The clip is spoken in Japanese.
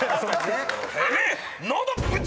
てめえ」